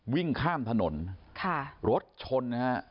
วิ่งข้ามถนนรถชน